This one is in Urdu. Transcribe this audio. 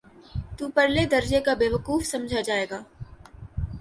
تو پرلے درجے کا بیوقوف سمجھا جائے گا۔